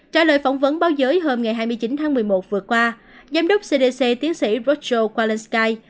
trả lời phỏng vấn báo giới hôm hai mươi chín tháng một mươi một vừa qua giám đốc cdc tiến sĩ roger kowalski